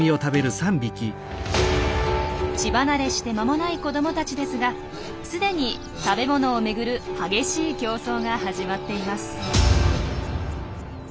乳離れして間もない子どもたちですが既に食べ物をめぐる激しい競争が始まっています。